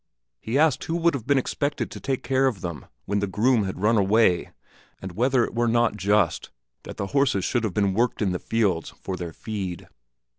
He asked who would have been expected to take care of them when the groom had run away, and whether it were not just that the horses should have worked in the fields for their feed.